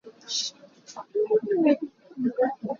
Vok in pasawm a rel.